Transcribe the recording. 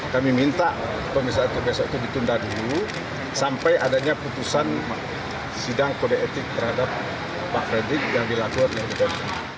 kami minta pemeriksaan terhadap pak fredrich ditunda dulu sampai adanya putusan sidang kode etik terhadap pak fredrich yang dilakukan